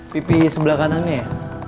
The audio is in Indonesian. pipi sebelah kanannya ya